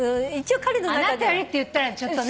あなたよりって言ったらちょっとね。